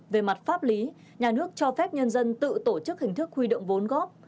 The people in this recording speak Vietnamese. về mặt pháp lý nhà nước cho phép nhân dân tự tổ chức hình thức huy động vốn góp